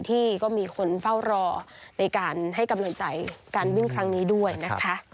ที่ก็มีคนเฝ้ารอในการให้กำลังใจการวิ่งครั้งนี้ด้วยนะคะ